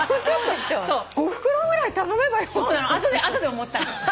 あとで思ったの。